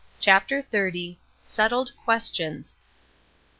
CHAPTER XXX. SETTLED QUESTIONS.